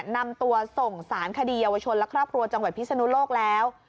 นำตัวส่งสารคดีเยาวชนและครอบครัวจังหวัดพิศนุโลกแล้ว